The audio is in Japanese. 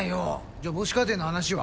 じゃあ母子家庭の話は？